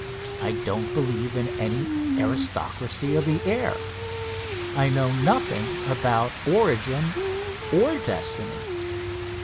I do not believe in any aristocracy of the air. I know nothing about origin or destiny.